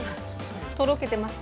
とろけてます？